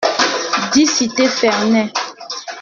dix cité Fernet